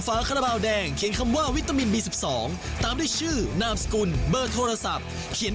อ้างั้นตามอับดุญไปเลย